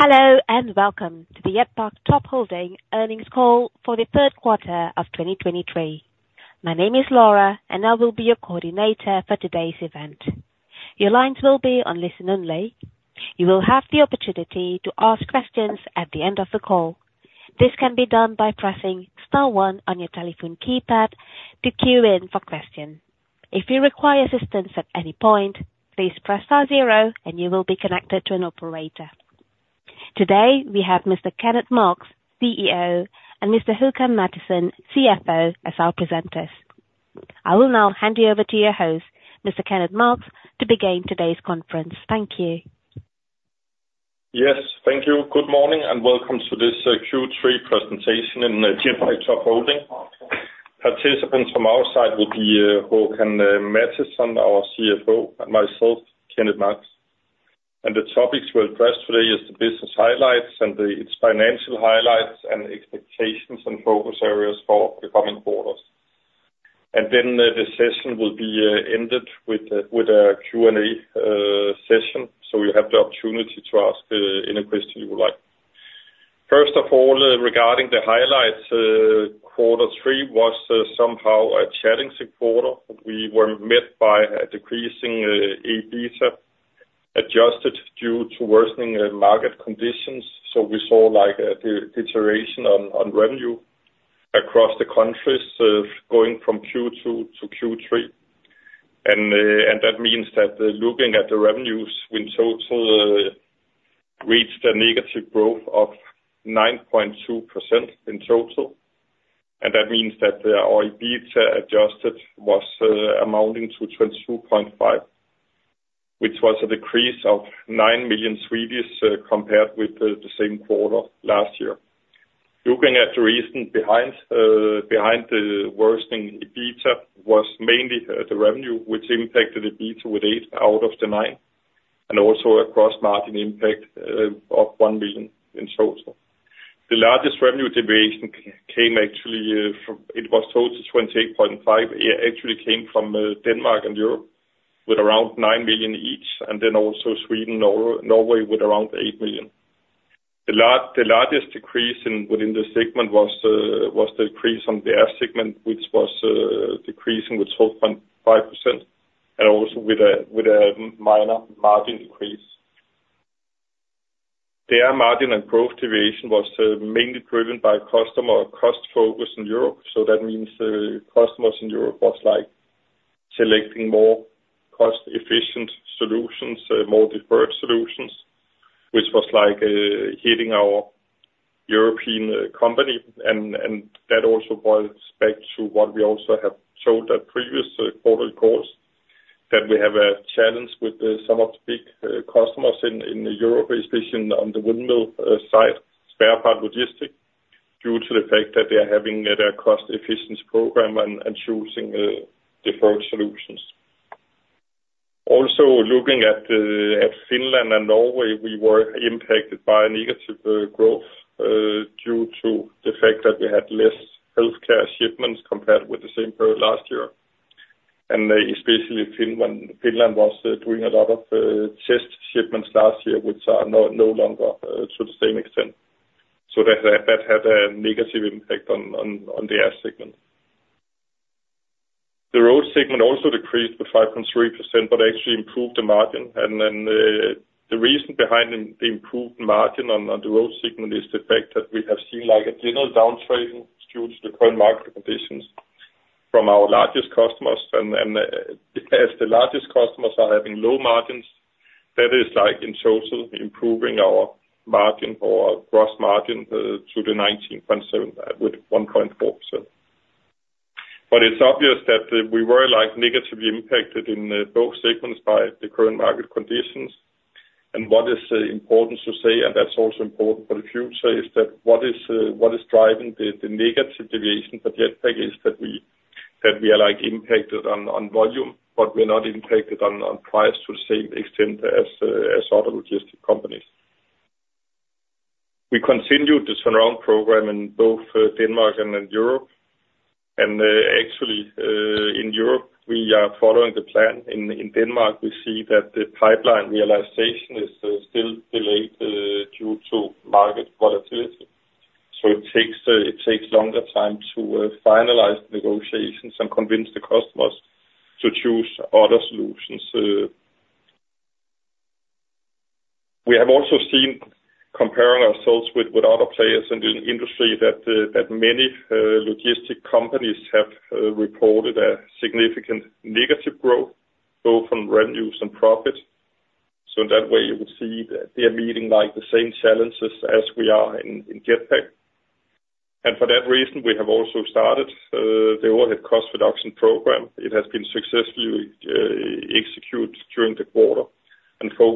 Hello, and welcome to the Jetpak Top Holding Earnings Call for Q3 of 2023. My name is Laura, and I will be your coordinator for today's event. Your lines will be on listen-only. You will have the opportunity to ask questions at the end of the call. This can be done by pressing star one on your telephone keypad to queue in for questions. If you require assistance at any point, please press star zero, and you will be connected to an operator. Today, we have Mr. Kenneth Marx, CEO, and Mr. Håkan Mattisson, CFO, as our presenters. I will now hand you over to your host, Mr. Kenneth Marx, to begin today's conference. Thank you. Yes, thank you. Good morning, and welcome to this Q3 presentation in Jetpak Top Holding. Participants from our side will be Håkan Mattisson, our CFO, and myself, Kenneth Marx. The topics we'll address today is the business highlights, and its financial highlights, and expectations and focus areas for the coming quarters. Then, the session will be ended with a Q&A session, so you have the opportunity to ask any question you would like. First of all, regarding the highlights, quarter three was somehow a challenging quarter. We were met by a decreasing adjusted EBITDA due to worsening market conditions, so we saw, like, a deterioration on revenue across the countries, going from Q2 to Q3. And that means that, looking at the revenues in total, reached a negative growth of 9.2% in total. And that means that our Adjusted EBITDA was amounting to 22.5, which was a decrease of 9 million compared with the same quarter last year. Looking at the reason behind, behind the worsening EBITDA, was mainly the revenue, which impacted EBITDA with 8 out of the 9 million, and also a cross margin impact of 1 million in total. The largest revenue deviation came actually from. It was total 28.5, actually came from Denmark and Europe, with around 9 million each, and then also Sweden, Norway, with around 8 million. The largest decrease within the segment was the decrease on the air segment, which was decreasing with 12.5%, and also with a minor margin increase. The air margin and growth deviation was mainly driven by customer cost focus in Europe. So that means, customers in Europe was, like, selecting more cost-efficient solutions, more deferred solutions, which was like, hitting our European company. And that also boils back to what we also have showed at previous quarter course, that we have a challenge with some of the big customers in Europe, especially on the windmill side, spare part logistic, due to the fact that they are having their cost efficiency program and choosing deferred solutions. Also, looking at Finland and Norway, we were impacted by a negative growth due to the fact that we had less healthcare shipments compared with the same period last year. And especially Finland. Finland was doing a lot of test shipments last year, which are no longer to the same extent. So that had a negative impact on the air segment. The road segment also decreased to 5.3%, but actually improved the margin. And then the reason behind the improved margin on the road segment is the fact that we have seen like a general downtrend due to the current market conditions from our largest customers. As the largest customers are having low margins, that is like, in total, improving our margin or our gross margin, to the 19.7, with 1.4%. But it's obvious that, we were, like, negatively impacted in, both segments by the current market conditions. And what is important to say, and that's also important for the future, is that what is driving the, the negative deviation for Jetpak is that we, that we are, like, impacted on, on volume, but we're not impacted on, on price to the same extent as, as other logistic companies. We continued the surcharge program in both, Denmark and in Europe. And, actually, in Europe, we are following the plan. In Denmark, we see that the pipeline realization is still delayed due to market volatility, so it takes longer time to finalize the negotiations and convince the customers to choose other solutions. We have also seen, comparing ourselves with other players in the industry, that many logistics companies have reported a significant negative growth, both on revenues and profits. So in that way, you will see that they are meeting like the same challenges as we are in Jetpak. And for that reason, we have also started the overhead cost reduction program. It has been successfully executed during the quarter,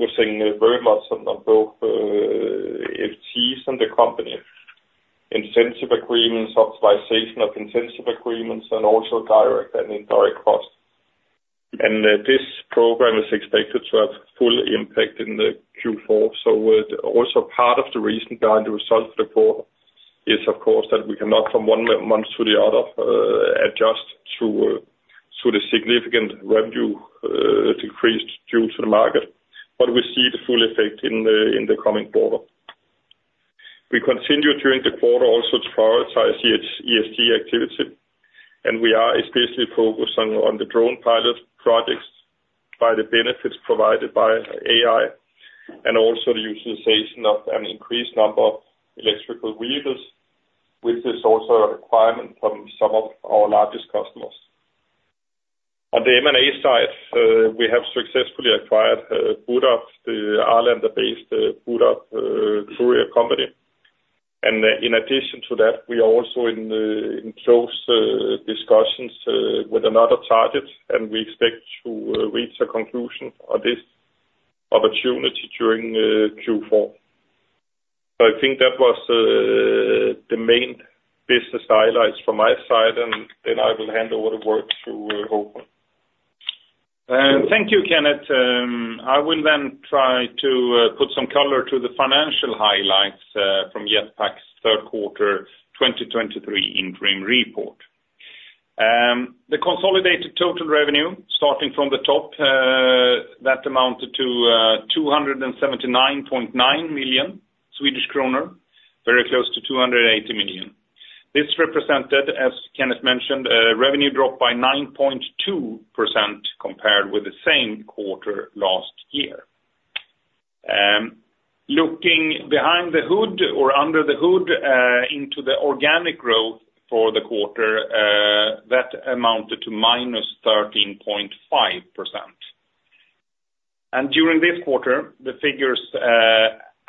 and focusing very much on both FTEs and the company incentive agreements, optimization of incentive agreements, and also direct and indirect costs. This program is expected to have full impact in Q4. Also part of the reason behind the results report is, of course, that we cannot from one month to the other adjust to. The significant revenue decreased due to the market, but we see the full effect in the coming quarter. We continue during the quarter also to prioritize its ESG activity, and we are especially focused on the drone pilot projects by the benefits provided by AI, and also the utilization of an increased number of electric vehicles, which is also a requirement from some of our largest customers. On the M&A side, we have successfully acquired Buda, the Malmö-based Budakuten courier company. In addition to that, we are also in close discussions with another target, and we expect to reach a conclusion on this opportunity during Q4. I think that was the main business highlights from my side, and then I will hand over the word to Håkan. Thank you, Kenneth. I will then try to put some color to the financial highlights from Jetpak's Q3 2023 interim report. The consolidated total revenue, starting from the top, that amounted to 279.9 very close to 280 million. This represented, as Kenneth mentioned, a revenue drop by 9.2% compared with the same quarter last year. Looking behind the hood or under the hood into the organic growth for the quarter, that amounted to -13.5%. And during this quarter, the figures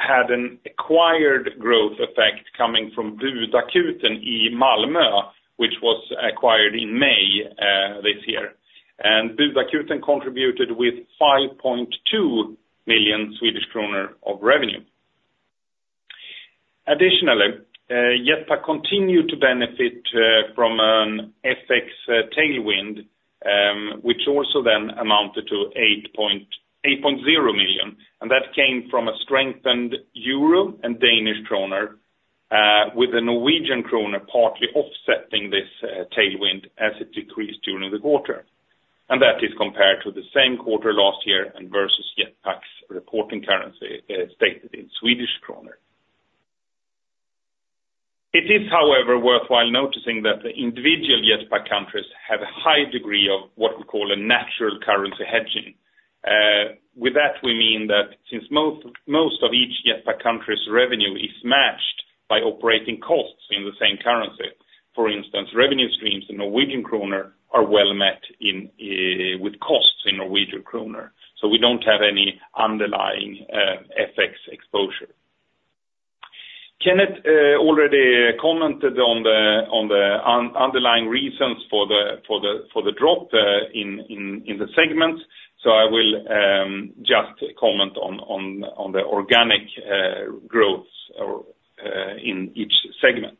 had an acquired growth effect coming from Budakuten Malmö, which was acquired in May this year. And Budakuten contributed with 5.2 million Swedish kronor of revenue. Additionally, Jetpak continued to benefit from an FX tailwind, which also then amounted to 8.0 million, and that came from a strengthened Euro and Danish kroner, with the Norwegian kroner partly offsetting this tailwind as it decreased during the quarter. And that is compared to the same quarter last year and versus Jetpak's reporting currency, stated in Swedish kroner. It is, however, worthwhile noticing that the individual Jetpak countries have a high degree of what we call a natural currency hedging. With that, we mean that since most of each Jetpak country's revenue is matched by operating costs in the same currency. For instance, revenue streams in Norwegian kroner are well met with costs in Norwegian kroner, so we don't have any underlying FX exposure. Kenneth already commented on the underlying reasons for the drop in the segment, so I will just comment on the organic growth or in each segment.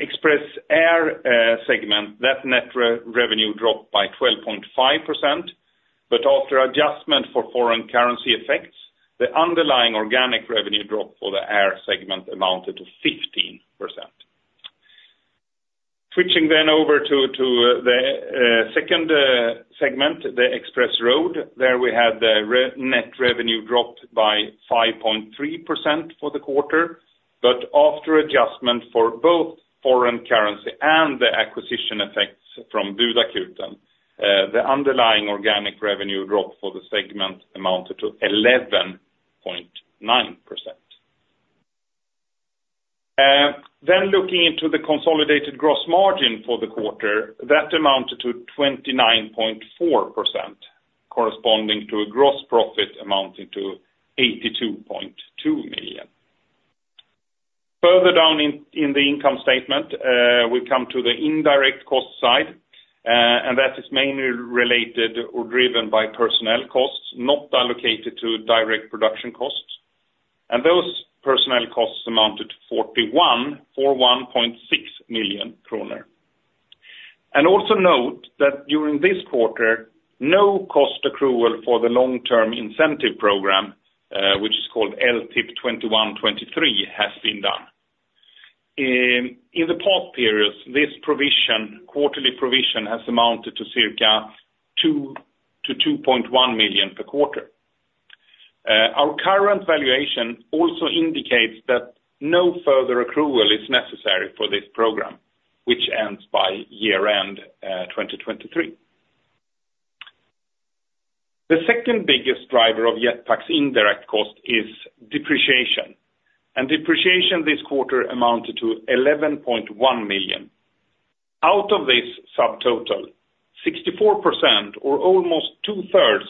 Express Air segment, that net revenue dropped by 12.5%, but after adjustment for foreign currency effects, the underlying organic revenue drop for the air segment amounted to 15%. Switching then over to the second segment, the Express Road, there we had the net revenue dropped by 5.3% for the quarter, but after adjustment for both foreign currency and the acquisition effects from Budakuten, the underlying organic revenue drop for the segment amounted to 11.9%. Then looking into the consolidated gross margin for the quarter, that amounted to 29.4%, corresponding to a gross profit amounting to 82.2 million. Further down in the income statement, we come to the indirect cost side, and that is mainly related or driven by personnel costs, not allocated to direct production costs. Those personnel costs amounted to 41.6 million kronor. Also note that during this quarter, no cost accrual for the long-term incentive program, which is called LTIP 2021/2023, has been done. In the past periods, this provision, quarterly provision, has amounted to 2-2.1 million per quarter. Our current valuation also indicates that no further accrual is necessary for this program, which ends by year-end 2023. The second biggest driver of Jetpak's indirect cost is depreciation. Depreciation this quarter amounted to 11.1 million. Out of this subtotal, 64% or almost two-thirds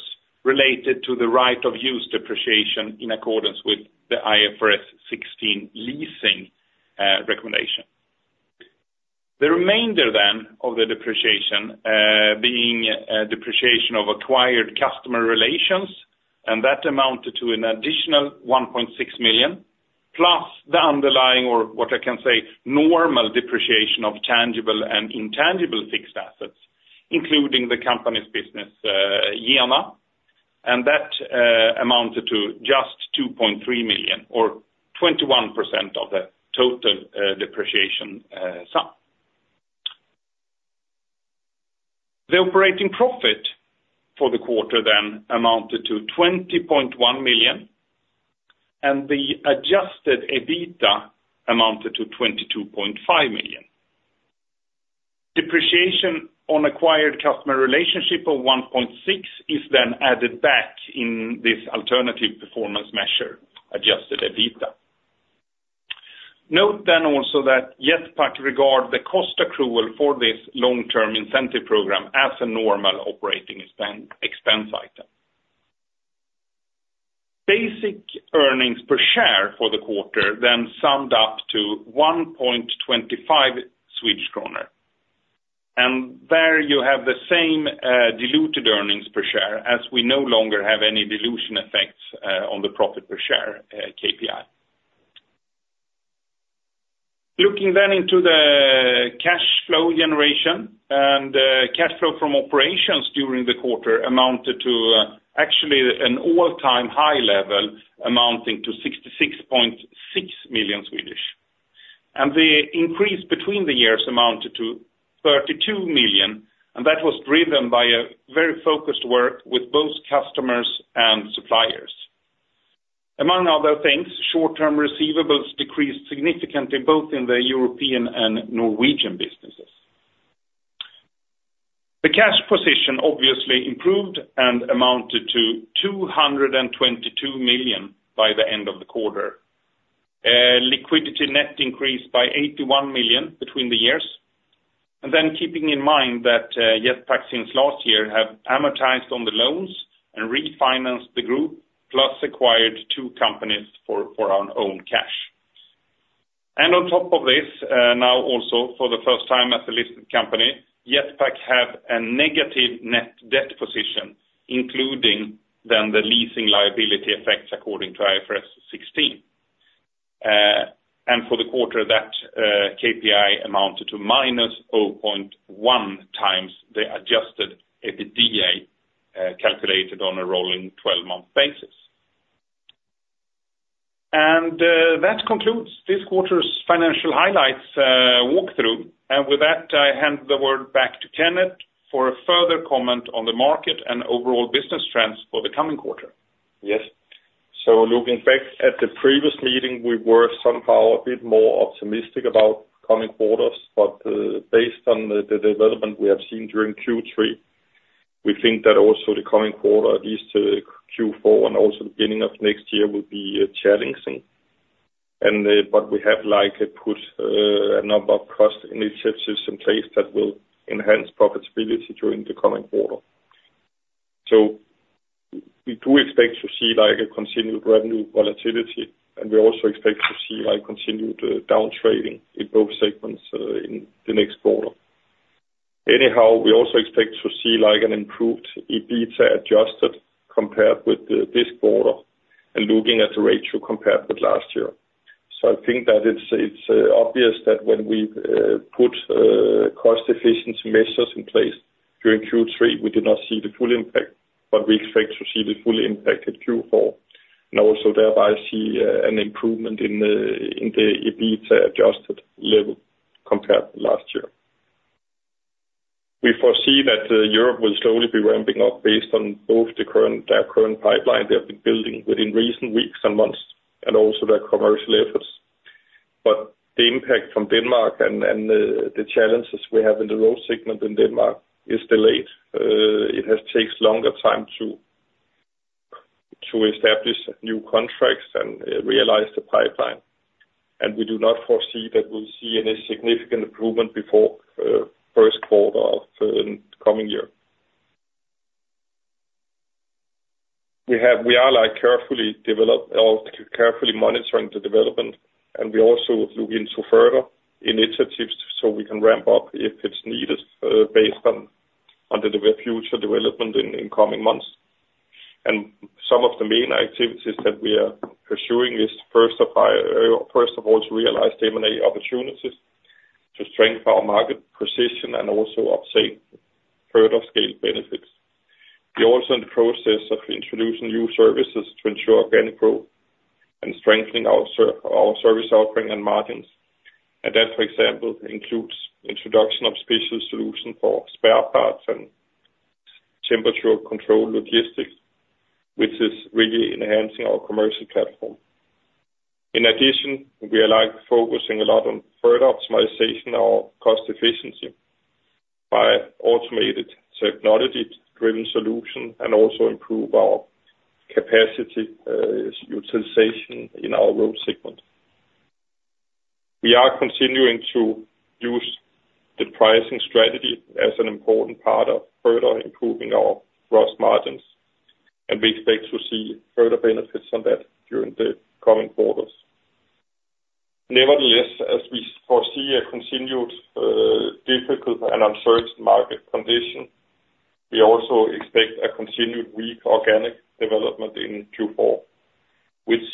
related to the right-of-use depreciation in accordance with the IFRS 16 leasing recommendation. The remainder then of the depreciation being depreciation of acquired customer relations, and that amounted to an additional 1.6 million, plus the underlying, or what I can say, normal depreciation of tangible and intangible fixed assets, including the company's business, JENA. And that amounted to just 2.3 million or 21% of the total depreciation sum. The operating profit for the quarter then amounted to 20.1 million, and the Adjusted EBITDA amounted to 22.5 million. Depreciation on acquired customer relationship of 1.6 million is then added back in this alternative performance measure, Adjusted EBITDA. Note then also that Jetpak regard the cost accrual for this long-term incentive program as a normal operating spend, expense item. Basic earnings per share for the quarter then summed up to 1.25 Swedish kronor. And there you have the same, diluted earnings per share, as we no longer have any dilution effects, on the profit per share, KPI. Looking then into the cash flow generation, and, cash flow from operations during the quarter amounted to, actually an all-time high level, amounting to 66.6 million. And the increase between the years amounted to 32 million, and that was driven by a very focused work with both customers and suppliers. Among other things, short-term receivables decreased significantly, both in the European and Norwegian businesses. The cash position obviously improved and amounted to 222 million by the end of the quarter. Liquidity net increased by 81 million between the years. Then keeping in mind that, Jetpak since last year have amortized on the loans and refinanced the group, plus acquired two companies for, for our own cash. And on top of this, now also, for the first time as a listed company, Jetpak have a negative net debt position, including then the leasing liability effects, according to IFRS 16. And for the quarter, that, KPI amounted to -0.1x the Adjusted EBITDA, calculated on a rolling 12-month basis. That concludes this quarter's financial highlights walkthrough. With that, I hand the word back to Kenneth for a further comment on the market and overall business trends for the coming quarter. Yes. So looking back at the previous meeting, we were somehow a bit more optimistic about coming quarters, but based on the development we have seen during Q3, we think that also the coming quarter, at least Q4 and also beginning of next year, will be challenging. But we have, like, put a number of cost initiatives in place that will enhance profitability during the coming quarter. So we do expect to see, like, a continued revenue volatility, and we also expect to see, like, continued downtrading in both segments in the next quarter. Anyhow, we also expect to see, like, an improved Adjusted EBITDA compared with this quarter, and looking at the ratio compared with last year. So I think that it's obvious that when we put cost efficiency measures in place during Q3, we did not see the full impact, but we expect to see the full impact in Q4, and also thereby see an improvement in the Adjusted EBITDA level compared to last year. We foresee that Europe will slowly be ramping up based on both their current pipeline they have been building within recent weeks and months, and also their commercial efforts. But the impact from Denmark and the challenges we have in the road segment in Denmark is delayed. It takes longer time to establish new contracts and realize the pipeline. And we do not foresee that we'll see any significant improvement before first quarter of the coming year. We have, we are like carefully monitoring the development, and we also look into further initiatives so we can ramp up if it's needed, based on the future development in coming months. Some of the main activities that we are pursuing is, first of all, to realize M&A opportunities, to strengthen our market position, and also upscale further scale benefits. We're also in the process of introducing new services to ensure organic growth and strengthening our service offering and margins. And that, for example, includes introduction of special solution for spare parts and temperature control logistics, which is really enhancing our commercial platform. In addition, we are like focusing a lot on further optimization of our cost efficiency by automated technology-driven solution, and also improve our capacity utilization in our road segment. We are continuing to use the pricing strategy as an important part of further improving our gross margins, and we expect to see further benefits on that during the coming quarters. Nevertheless, as we foresee a continued, difficult and uncertain market condition, we also expect a continued weak organic development in Q4, which,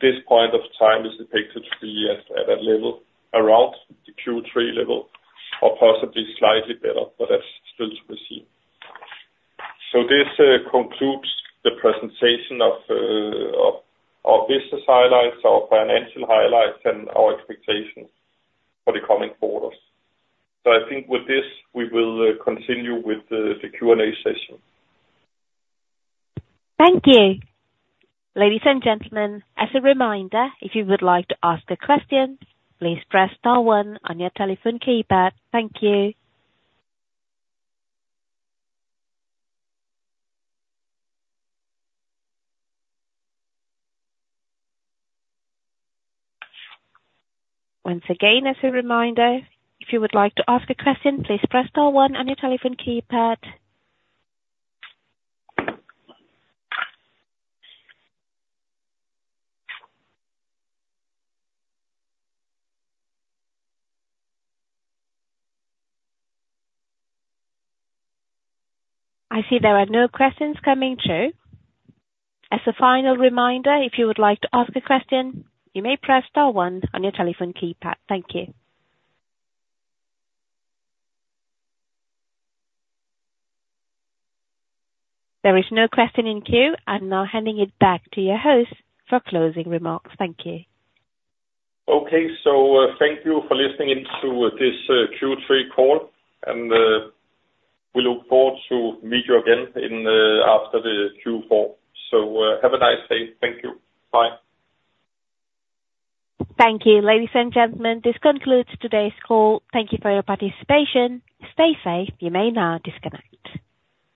at this point of time, is expected to be at a level around the Q3 level or possibly slightly better, but that's still to be seen. So this concludes the presentation of our business highlights, our financial highlights, and our expectations for the coming quarters. So I think with this, we will continue with the Q&A session. Thank you. Ladies and gentlemen, as a reminder, if you would like to ask a question, please press star one on your telephone keypad. Thank you. Once again, as a reminder, if you would like to ask a question, please press star one on your telephone keypad. I see there are no questions coming through. As a final reminder, if you would like to ask a question, you may press star one on your telephone keypad. Thank you. There is no question in queue. I'm now handing it back to your host for closing remarks. Thank you. Okay. So, thank you for listening in to this Q3 call, and we look forward to meet you again in after the Q4. So, have a nice day. Thank you. Bye. Thank you. Ladies and gentlemen, this concludes today's call. Thank you for your participation. Stay safe. You may now disconnect.